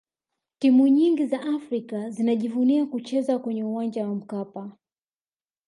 timu nyingi za afrika zinajivunia kucheza kwenye uwanja wa mkapa